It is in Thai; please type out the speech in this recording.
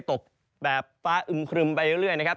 ตกแบบฟ้าอึมครึมไปเรื่อยนะครับ